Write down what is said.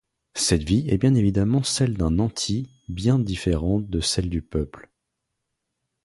Cette vie est bien évidemment celle d'un nanti bien différente de celle du peuple.